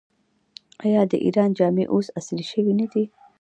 آیا د ایران جامې اوس عصري شوې نه دي؟